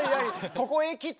ここへきて？